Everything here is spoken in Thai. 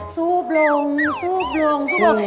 ซูบลงซูบลงซูบลง